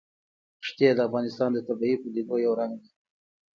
ښتې د افغانستان د طبیعي پدیدو یو رنګ دی.